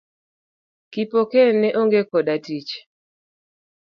Kipokeo ne onge koda tich.